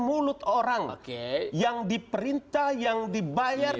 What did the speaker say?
mulut orang yang diperintah yang dibayar